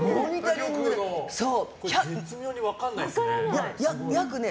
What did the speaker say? これ、絶妙に分からないですね。